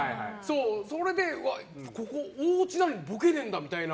それでここ大落ちなのにボケねえんだみたいな。